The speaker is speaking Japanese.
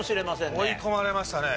追い込まれましたね。